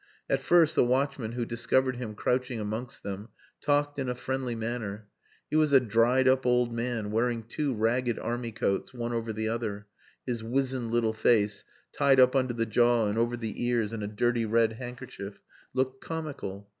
At first the watchman who discovered him crouching amongst them talked in a friendly manner. He was a dried up old man wearing two ragged army coats one over the other; his wizened little face, tied up under the jaw and over the ears in a dirty red handkerchief, looked comical.